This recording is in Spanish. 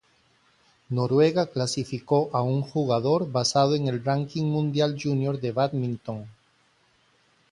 Noruega clasificó a un jugador basado en el ranking mundial junior de bádminton.